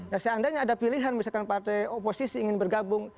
nah seandainya ada pilihan misalkan partai oposisi ingin bergabung